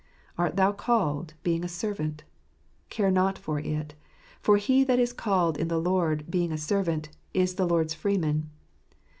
Art thou called, being a servant? care not for it; for he that is called in the Lord, being a servant, is the Lord's freeman."